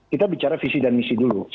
kita bicara visi dan misi dulu